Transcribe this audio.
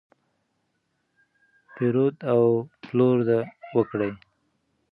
پیرود او پلور وکړئ.